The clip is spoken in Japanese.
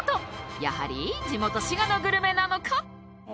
やはり地元滋賀のグルメなのか？